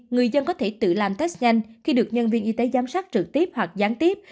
người dân có thể tự làm test nhanh khi được nhân viên y tế giám sát trực tiếp hoặc gián tiếp